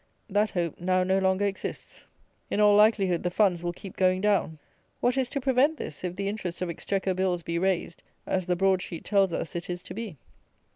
That hope now no longer exists. In all likelihood the funds will keep going down. What is to prevent this, if the interest of Exchequer Bills be raised, as the broad sheet tells us it is to be?